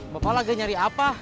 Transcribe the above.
bapak lagi nyari apa